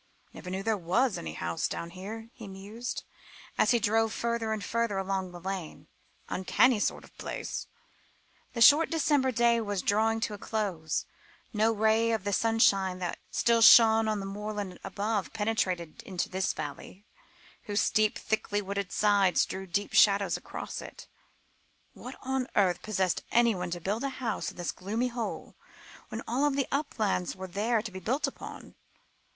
"Never knew there was any house down here," he mused, as he drove further and further along the lane; "uncanny sort of place." The short December day was drawing to a close. No ray of the sunshine that still shone on the moorland above, penetrated into this valley, whose steep, thickly wooded sides threw deep shadows across it. "What on earth possessed anybody to build a house in this gloomy hole, when all the uplands were there to be built upon?"